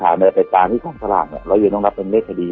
ถ้าเรายืนอย่างนั้นมันก็ต้องเป็นลักษณ์คดี